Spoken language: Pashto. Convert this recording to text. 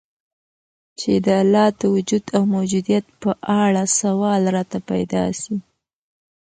چي د الله د وجود او موجودیت په اړه سوال راته پیدا سي